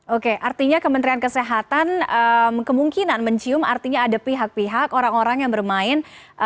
oke artinya kementerian kesehatan kemungkinan mencium artinya ada pihak pihak orang orang yang bermain